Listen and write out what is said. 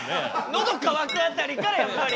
「ノドかわく」辺りからやっぱり。